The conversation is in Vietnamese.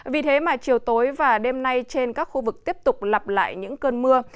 vì thế mà chiều tối và đêm nay trên các khu vực tiếp tục lặp lại những cơn mưa